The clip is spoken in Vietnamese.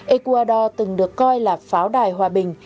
ecuador từng được coi là pháo đài hòa bình